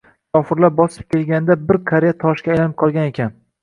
Kofirlar bosib kelganda bir qariya toshga aylanib qolgan ekan.